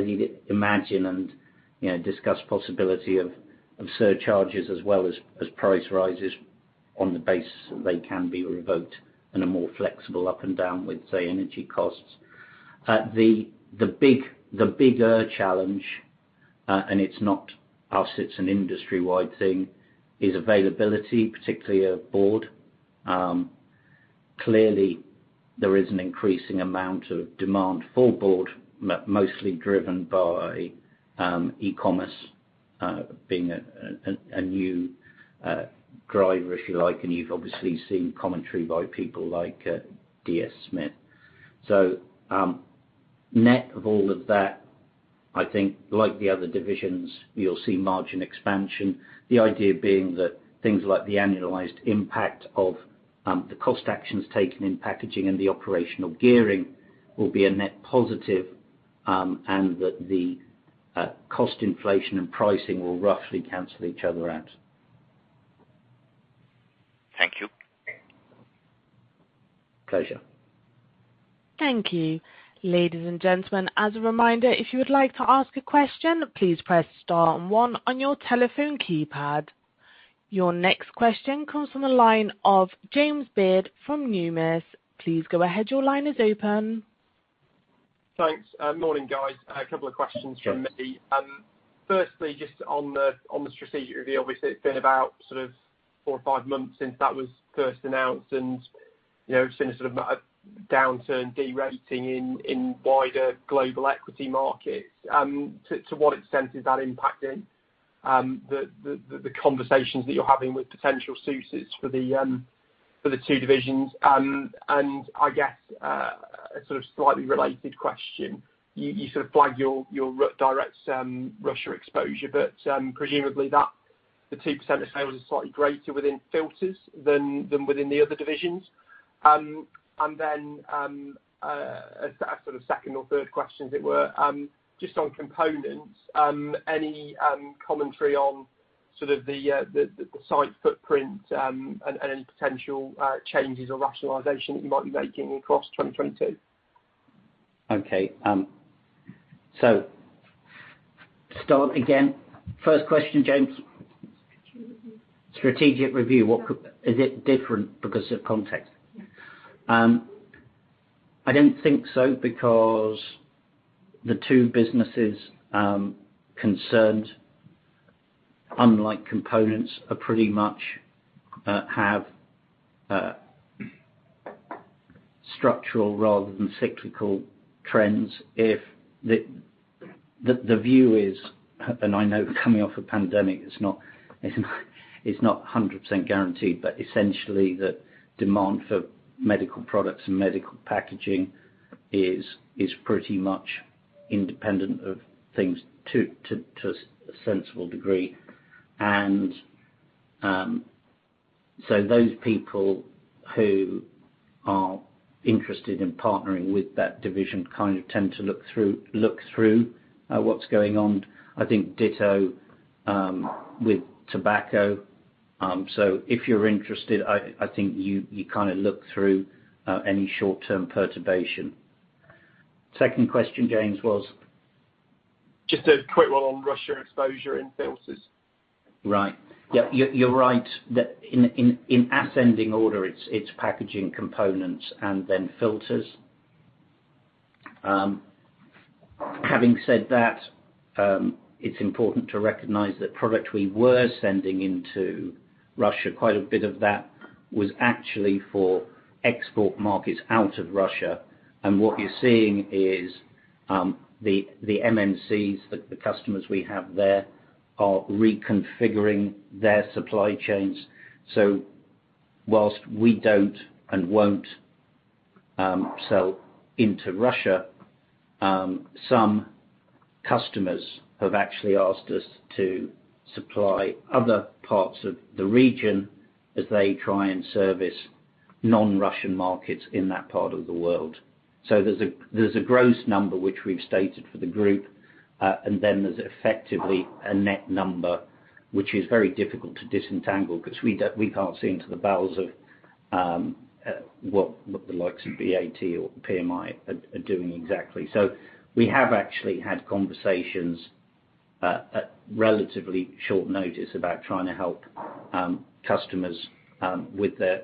you'd imagine and, you know, discuss possibility of surcharges as well as price rises. On the basis they can be revoked and are more flexible up and down with, say, energy costs. The bigger challenge, and it's not us, it's an industry-wide thing, is availability, particularly of board. Clearly there is an increasing amount of demand for board, mostly driven by e-commerce, being a new driver, if you like, and you've obviously seen commentary by people like DS Smith. Net of all of that, I think like the other divisions, you'll see margin expansion. The idea being that things like the annualized impact of the cost actions taken in Packaging and the operational gearing will be a net positive, and that the cost inflation and pricing will roughly cancel each other out. Thank you. Pleasure. Thank you. Ladies and gentlemen, as a reminder, if you would like to ask a question, please press star and one on your telephone keypad. Your next question comes from the line of James Beard from Numis. Please go ahead. Your line is open. Thanks. Morning, guys. A couple of questions from me. Firstly, just on the strategic review, obviously it's been about sort of 4 or 5 months since that was first announced, and you know, we've seen a sort of M&A downturn derating in wider global equity markets. To what extent is that impacting the conversations that you're having with potential suitors for the two divisions? I guess a sort of slightly related question, you sort of flagged your direct Russia exposure, but presumably that the 2% of sales is slightly greater within Filters than within the other divisions. As sort of second or third question, as it were, just on Components, any commentary on sort of the site footprint, and any potential changes or rationalization that you might be making across 2022? First question, James. Strategic review. Is it different because of context? I don't think so because the two businesses concerned, unlike Components, are pretty much have structural rather than cyclical trends. If the view is, and I know coming off a pandemic is not 100% guaranteed, but essentially the demand for medical products and medical packaging is pretty much independent of things to a sensible degree. Those people who are interested in partnering with that division kind of tend to look through what's going on. I think ditto with tobacco. If you're interested, I think you kind of look through any short-term perturbation. Second question, James, was? Just a quick one on Russia exposure in Filters. Right. Yeah, you're right. That in ascending order, it's Packaging, Components, and then Filters. Having said that, it's important to recognize that product we were sending into Russia, quite a bit of that was actually for export markets out of Russia. What you're seeing is, the MNCs, the customers we have there are reconfiguring their supply chains. Whilst we don't and won't sell into Russia, some customers have actually asked us to supply other parts of the region as they try and service non-Russian markets in that part of the world. There's a gross number which we've stated for the group, and then there's effectively a net number, which is very difficult to disentangle because we can't see into the bowels of what the likes of BAT or PMI are doing exactly. We have actually had conversations at relatively short notice about trying to help customers with their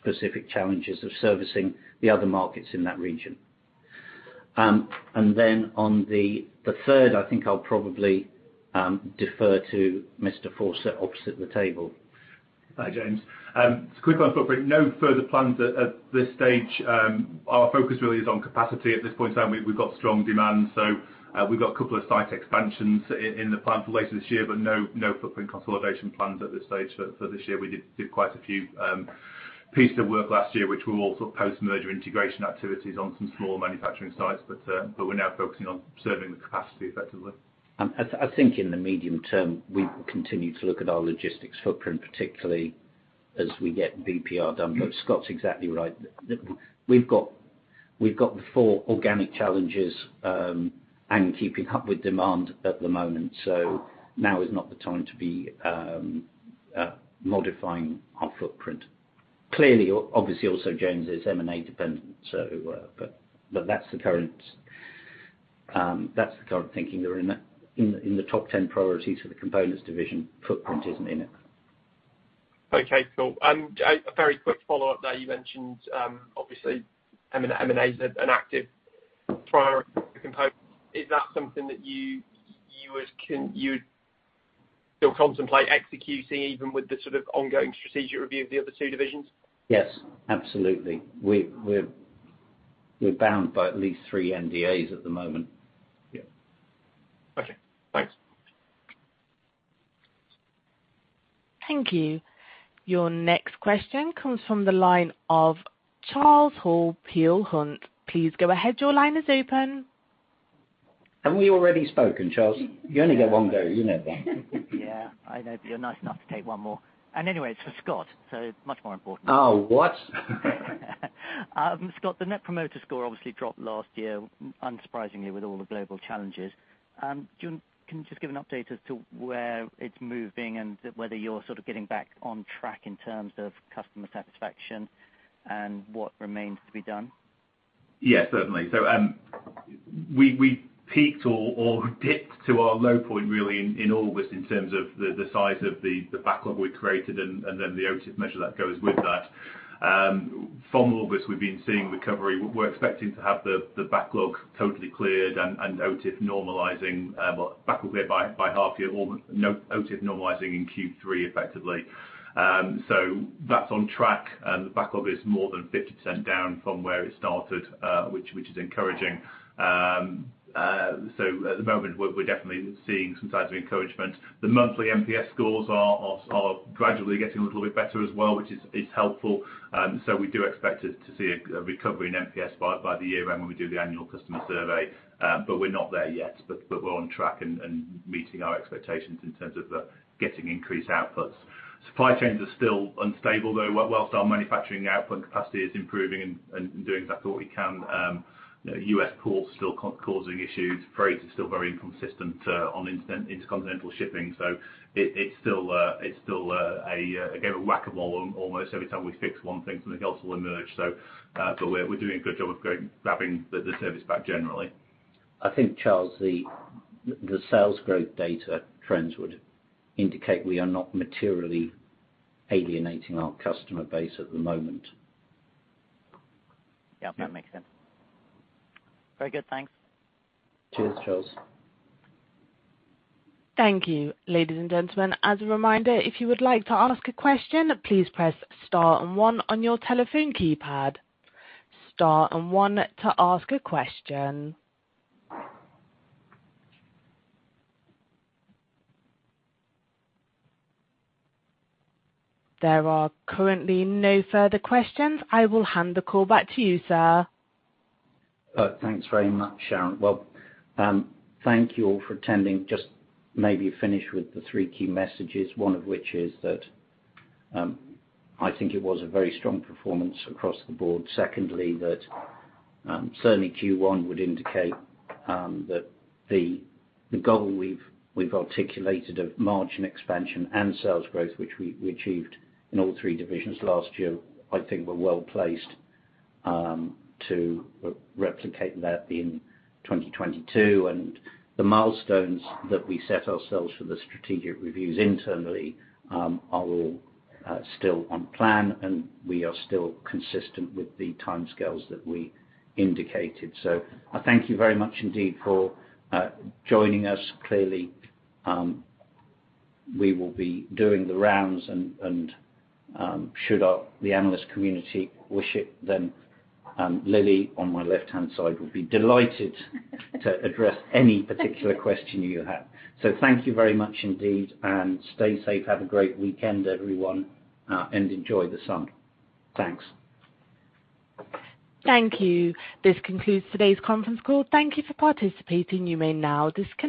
specific challenges of servicing the other markets in that region. On the third, I think I'll probably defer to Mr. Fawcett opposite the table. Hi, James. Quick on footprint. No further plans at this stage. Our focus really is on capacity at this point in time. We've got strong demand, so we've got a couple of site expansions in the plan for later this year, but no footprint consolidation plans at this stage for this year. We did do quite a few pieces of work last year, which were all sort of post-merger integration activities on some small manufacturing sites. We're now focusing on serving the capacity effectively. I think in the medium term, we will continue to look at our logistics footprint, particularly as we get BPR done. Scott's exactly right. We've got the four organic challenges and keeping up with demand at the moment. Now is not the time to be modifying our footprint. Clearly, James, is M&A dependent. That's the current thinking. They're in the top ten priorities for the Components division. Footprint isn't in it. Okay, cool. A very quick follow-up there. You mentioned, obviously, M&A is an active priority component. Is that something that you would still contemplate executing even with the sort of ongoing strategic review of the other two divisions? Yes, absolutely. We're bound by at least three NDAs at the moment. Yeah. Okay. Thanks. Thank you. Your next question comes from the line of Charles Hall, Peel Hunt. Please go ahead. Your line is open. Haven't we already spoken, Charles? You only get one go. You know that. Yeah, I know, but you're nice enough to take one more. Anyway, it's for Scott, so much more important. Oh, what? Scott, the Net Promoter Score obviously dropped last year, unsurprisingly, with all the global challenges. Can you just give an update as to where it's moving and whether you're sort of getting back on track in terms of customer satisfaction and what remains to be done? Yeah, certainly. We peaked or dipped to our low point really in August in terms of the size of the backlog we created and then the OTIF measure that goes with that. From August, we've been seeing recovery. We're expecting to have the backlog totally cleared and OTIF normalizing, well, backlog cleared by half year or OTIF normalizing in Q3 effectively. That's on track. The backlog is more than 50% down from where it started, which is encouraging. At the moment we're definitely seeing some signs of encouragement. The monthly NPS scores are gradually getting a little bit better as well, which is helpful. We do expect it to see a recovery in NPS by the year-end when we do the annual customer survey. We're not there yet, but we're on track and meeting our expectations in terms of getting increased outputs. Supply chains are still unstable, though. While our manufacturing output and capacity is improving and doing exactly what we can, you know, U.S. ports still causing issues. Freight is still very inconsistent on intercontinental shipping. It's still a whack-a-mole almost. Every time we fix one thing, something else will emerge. We're doing a good job of regaining the service back generally. I think, Charles, the sales growth data trends would indicate we are not materially alienating our customer base at the moment. Yeah, that makes sense. Very good. Thanks. Cheers, Charles. Thank you. Ladies and gentlemen, as a reminder, if you would like to ask a question, please press star and one on your telephone keypad. Star and one to ask a question. There are currently no further questions. I will hand the call back to you, sir. Thanks very much, Sharon. Well, thank you all for attending. Just maybe finish with the three key messages, one of which is that I think it was a very strong performance across the board. Secondly, that certainly Q1 would indicate that the goal we've articulated of margin expansion and sales growth, which we achieved in all three divisions last year, I think we're well placed to replicate that in 2022. The milestones that we set ourselves for the strategic reviews internally are all still on plan, and we are still consistent with the timescales that we indicated. I thank you very much indeed for joining us. Clearly, we will be doing the rounds and should the analyst community wish it, then Lily on my left-hand side will be delighted to address any particular question you have. Thank you very much indeed and stay safe. Have a great weekend everyone, and enjoy the sun. Thanks. Thank you. This concludes today's conference call. Thank you for participating. You may now disconnect.